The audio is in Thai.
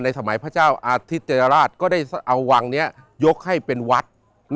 สมัยพระเจ้าอาทิตยราชก็ได้เอาวังนี้ยกให้เป็นวัด